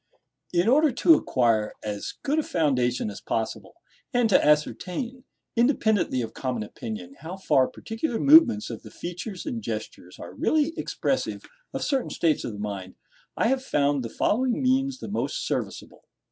In order to acquire as good a foundation as possible, and to ascertain, independently of common opinion, how far particular movements of the features and gestures are really expressive of certain states of the mind, I have found the following means the most serviceable.